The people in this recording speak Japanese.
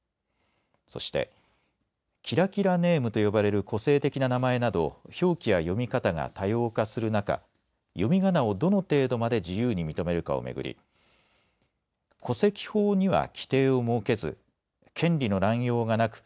そしてキラキラネームと呼ばれる個性的な名前など表記や読み方が多様化する中、読みがなをどの程度まで自由に認めるかを巡り戸籍法には規定を設けず権利の乱用がなく